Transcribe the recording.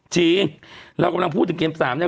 จริงเรากำลังพูดถึงกี่น่ะนี่